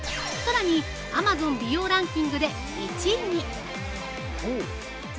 さらにアマゾン美容ランキングで１位に！